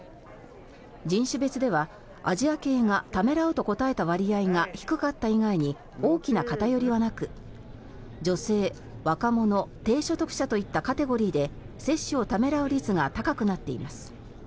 人種別では、アジア系がためらうと答えた割合が低かった以外に大きな偏りはなく女性、若者、低所得者といったカテゴリーで接種をためらう率が高くなっています。